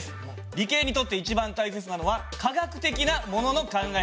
理系にとって一番大切なのは科学的なものの考え方です。